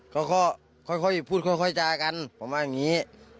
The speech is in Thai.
ค่อยพูดค่อยจากันผมว่าอย่างนี้